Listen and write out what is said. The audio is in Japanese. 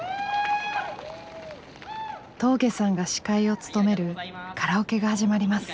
峠さんが司会を務めるカラオケが始まります。